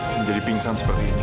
menjadi pingsan seperti ini